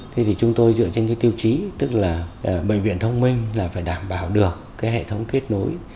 thế thì chúng tôi dựa trên cái tiêu chí tức là bệnh viện thông minh là phải đảm bảo được cái hệ thống kết nối